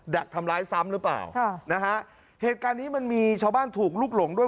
ดักทำร้ายซ้ำหรือเปล่าค่ะนะฮะเหตุการณ์นี้มันมีชาวบ้านถูกลุกหลงด้วย